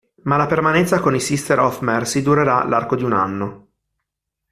Ma la permanenza con i Sister of Mercy durerà l'arco di un anno.